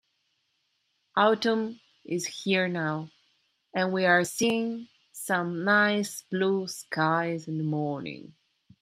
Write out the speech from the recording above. Autumn is here now, and we are seeing some nice blue skies in the morning.